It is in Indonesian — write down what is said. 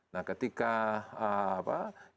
nah ketika produksi